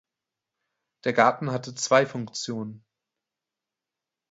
Der Garten hatte zwei Funktionen.